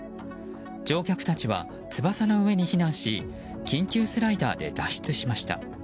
乗客たちは翼の上に避難し緊急スライダーで脱出しました。